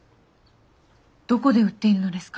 どこで売っているのですか？